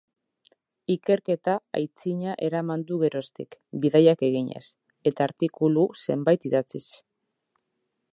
Ikerketa aitzina eraman du geroztik, bidaiak eginez, eta artikulu zenbait idatziz.